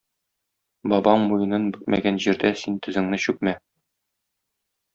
Бабаң муенын бөкмәгән җирдә син тезеңне чүкмә.